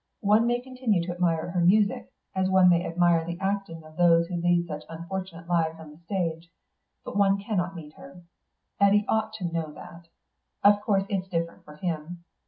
One may continue to admire her music, as one may admire the acting of those who lead such unfortunate lives on the stage; but one can't meet her. Eddy ought to know that. Of course it's different for him.